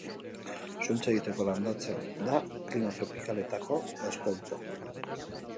Zuntza egiteko landatzen da klima tropikaletako eskualdeetan.